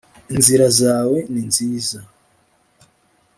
Inzira zawe ni nziza